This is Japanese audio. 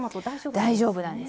大丈夫なんです。